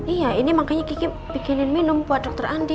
iya ini makanya kiki bikinin minum buat dokter andi